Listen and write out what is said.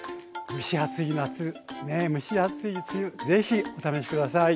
蒸し暑い夏ね蒸し暑い梅雨是非お試し下さい。